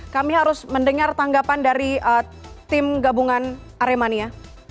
kami harus mendengar tanggapan dari tim gabungan aremania